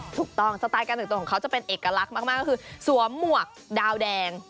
สไตล์การแต่งตัวของเขาจะเป็นเอกลักษณ์มากก็คือสวมหมวกดาวแดง